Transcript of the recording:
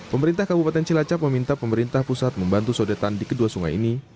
pemerintah kabupaten cilacap meminta pemerintah pusat membantu sodetan di kedua sungai ini